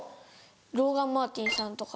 ローガン・マーティンさんとか。